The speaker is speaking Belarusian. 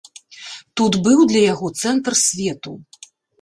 Тут быў для яго цэнтр свету.